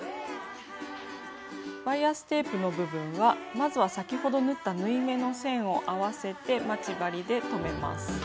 バイアステープの部分はまずは先ほど縫った縫い目の線を合わせて待ち針で留めます。